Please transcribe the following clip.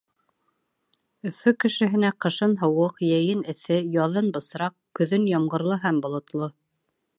Өфө кешеһенә ҡышын һыуыҡ, йәйен эҫе, яҙын бысраҡ, көҙөн ямғырлы һәм болотло.